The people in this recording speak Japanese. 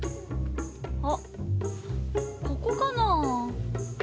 あっここかなぁ？